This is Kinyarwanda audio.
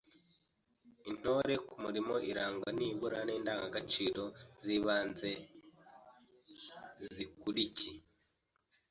Intore ku murimo irangwa nibura n’indangagaciro z’ibanze zikuriki